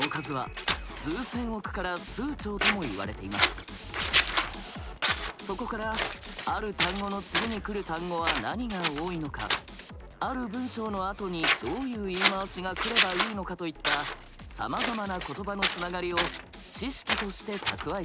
その数はそこからある単語の次に来る単語は何が多いのかある文章のあとにどういう言い回しが来ればいいのかといったさまざまな言葉のつながりを「知識」として蓄えていきます。